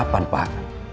ya tapi kapan pak